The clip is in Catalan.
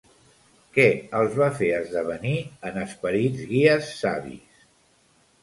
Què els va fer esdevenir en esperits guies savis?